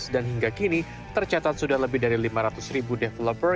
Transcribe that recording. dan hingga kini tercatat sudah lebih dari lima ratus ribu developer